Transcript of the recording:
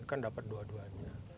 kan dapat dua duanya